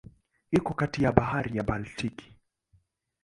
Iko kati ya Bahari ya Baltiki.